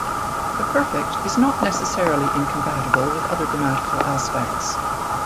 The perfect is not necessarily incompatible with other grammatical aspects.